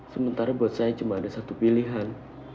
sementara buat saya cuma ada satu pilihan